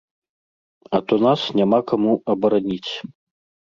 А то нас няма каму абараніць.